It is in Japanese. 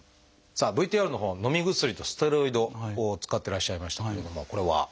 さあＶＴＲのほうはのみ薬とステロイドを使ってらっしゃいましたけれどもこれは？